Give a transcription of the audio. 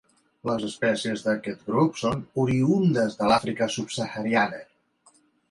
Les espècies d'aquest grup són oriündes de l'Àfrica subsahariana.